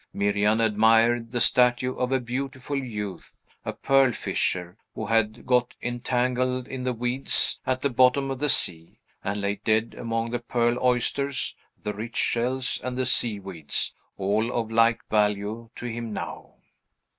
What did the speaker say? Miriam admired the statue of a beautiful youth, a pearlfisher; who had got entangled in the weeds at the bottom of the sea, and lay dead among the pearl oysters, the rich shells, and the seaweeds, all of like value to him now.